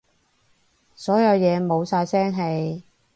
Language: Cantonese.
所有嘢冇晒聲氣